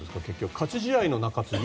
勝ち試合の中継ぎ？